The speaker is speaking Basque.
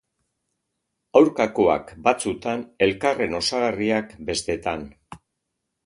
Aurkakoak batzutan, elkarren osagarriak bestetan.